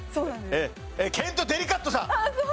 ケント・デリカットさん。